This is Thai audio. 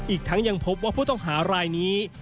อีกทั้งยังพบว่าผู้ต้องหารายนี้